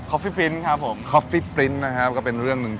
อ๋ออคุณคือ